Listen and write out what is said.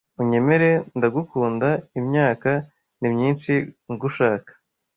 Unyemere ndagukunda imyaka ni myinshi ngushaka